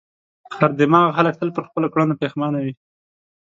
خر دماغه خلک تل پر خپلو کړنو پښېمانه وي.